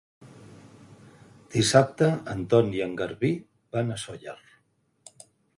Dissabte en Ton i en Garbí van a Sóller.